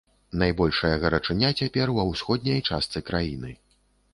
Найбольшая гарачыня цяпер ва ўсходняй частцы краіны.